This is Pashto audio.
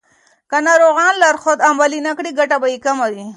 که ناروغان لارښود عملي نه کړي، ګټه به یې کمه وي.